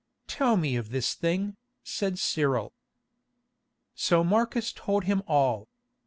"Tell me of this thing," said Cyril. So Marcus told him all.